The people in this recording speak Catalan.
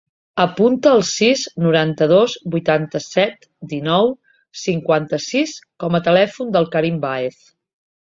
Apunta el sis, noranta-dos, vuitanta-set, dinou, cinquanta-sis com a telèfon del Karim Baez.